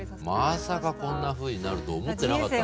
まさかこんなふうになると思ってなかったんで僕も。